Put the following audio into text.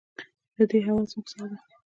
د دې هوا زموږ ساه ده؟